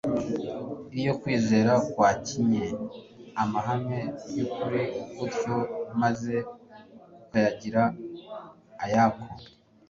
Iyo kwizera kwakinye amahame y'ukuri gutyo maze kukayagira ayako,